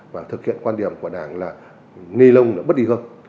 và thực hiện quan điểm của đảng là nê lông là bất y hợp